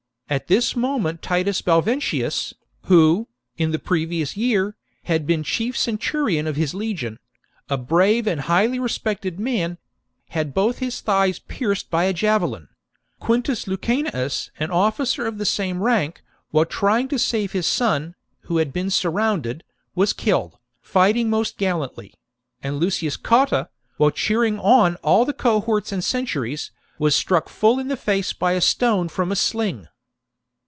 At this moment Titus Balventius, who, in the previous year, had *been chief genturion of .his legion — a brave and highly respected man — had both his thighs pierced by a javelin ; Quintus Lucanius, an office! of tTle same rank, while trying to save his son, who had been surrounded, was killed, fighting most gallantly ; and Lucius Cotta, while cheering on all the cohorts and centuries, was struck full in the face by a stone from a sling.